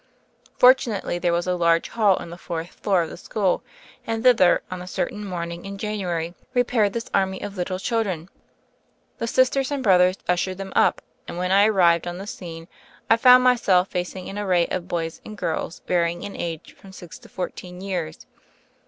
Fortunately, there was a large hall in the fourth floor of the school, and thither on a cer tain morning in January repaired this army of little children. The Sisters and Brothers ushered them up, and when I arrived on the scene I found myself facing an array of boys and girls varying in age from six to fourteen years.